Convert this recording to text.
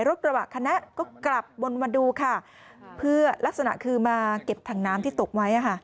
รถกระบะคณะก็กลับบนมาดูลักษณะคือมาเก็บถังน้ำที่ตกไว้